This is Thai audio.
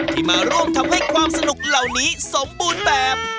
ที่มาร่วมทำให้ความสนุกเหล่านี้สมบูรณ์แบบ